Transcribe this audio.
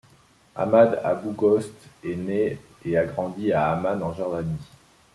Ahmad Abughaush est né et a grandi à Amman en Jordanie.